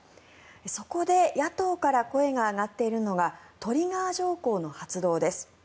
そこで野党から声が上がっているのがトリガー条項の発動です。